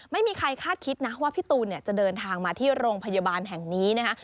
ไม่มีใครคาดคิดนะว่าพี่ตูนเนี่ยจะเดินทางมาที่โรงพยาบาลแห่งนี้นะคะ